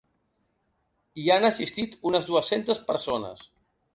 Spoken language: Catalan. Hi han assistit unes dues-centes persones.